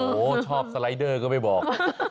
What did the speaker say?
โอ้โหชอบสไลเดอร์ก็ไม่บอก